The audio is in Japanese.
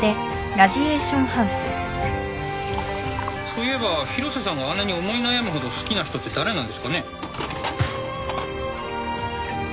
そういえば広瀬さんがあんなに思い悩むほど好きな人って誰なんですかね？